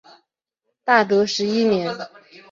大德十一年。